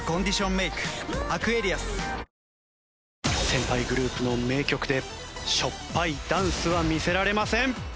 先輩グループの名曲でしょっぱいダンスは見せられません！